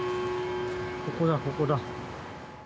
ここだここだ。